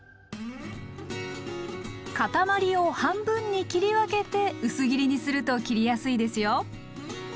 塊を半分に切り分けて薄切りにすると切りやすいですよ。